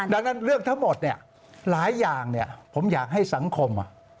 ดังนั้นเรื่องทั้งหมดเนี่ยหลายอย่างผมอยากให้สังคม